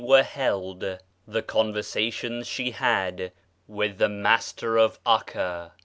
9 10 PREFACE held, the conversations she had with the " Master of 'Akka."